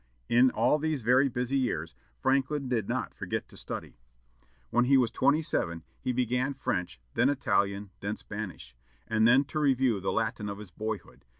In all these very busy years, Franklin did not forget to study. When he was twenty seven, he began French, then Italian, then Spanish, and then to review the Latin of his boyhood.